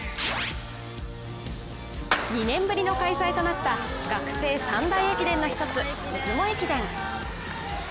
２年ぶりの開催となった学生三大駅伝の一つ、出雲駅伝。